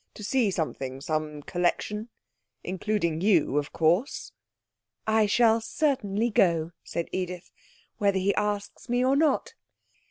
To see something some collection. Including you, of course?' 'I shall certainly go,' said Edith, 'whether he asks me or not.'